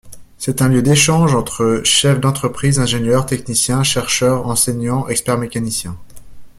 C'est un lieu d'échanges entre chefs d'entreprises, ingénieurs, techniciens, chercheurs, enseignants, experts mécaniciens.